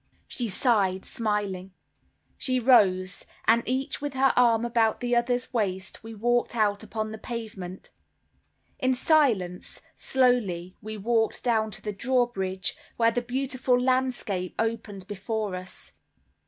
She sighed; smiling. She rose, and each with her arm about the other's waist, we walked out upon the pavement. In silence, slowly we walked down to the drawbridge, where the beautiful landscape opened before us.